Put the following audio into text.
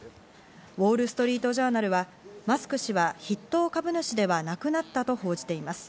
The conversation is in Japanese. ウォールストリートジャーナルはマスク氏は筆頭株主ではなくなったと報じています。